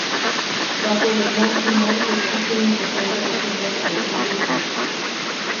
Bajo del mar de Timor existen importantes reservas de petróleo y gas.